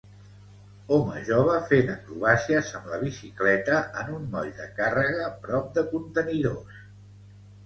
Home jove fent acrobàcies amb la bicicleta en un moll de càrrega a prop de contenidors.